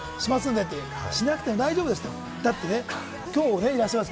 しなくても大丈夫ですよって。